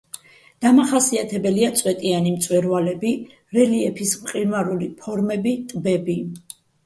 დამახასიათებელია წვეტიანი მწვერვალები, რელიეფის მყინვარული ფორმები, ტბები.